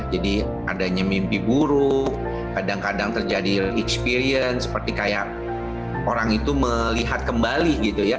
jadi adanya mimpi buruk terjadi pengalaman seperti orang melihat kembali